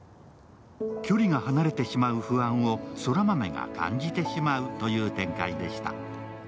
距離が離れてしまう不安を空豆が感じてしまうという展開でした。